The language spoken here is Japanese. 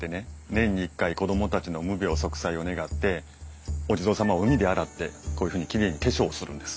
年に１回子供たちの無病息災を願ってお地蔵様を海で洗ってこういうふうにきれいに化粧をするんです。